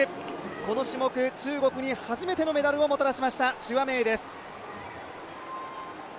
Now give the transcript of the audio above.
この種目、中国に初めてのメダルをもたらしました朱亜明です。